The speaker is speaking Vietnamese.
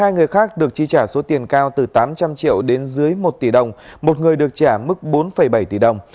một mươi người khác được chi trả số tiền cao từ tám trăm linh triệu đến dưới một tỷ đồng một người được trả mức bốn bảy tỷ đồng